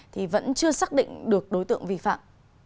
thì vẫn chưa xác định được đối tượng vi phạm